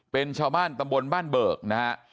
เป็นชาวบ้านตำบลบ้านเบิกนะฮะ